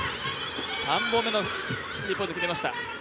３本目のスリーポイントを決めました。